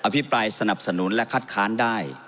พิปรายสนับสนุนและคัดค้านได้